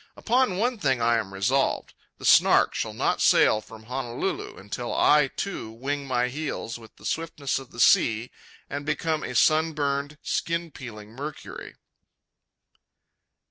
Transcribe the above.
Upon one thing I am resolved: the Snark shall not sail from Honolulu until I, too, wing my heels with the swiftness of the sea, and become a sun burned, skin peeling Mercury.